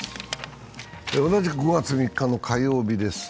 同じく５月３日の火曜日です。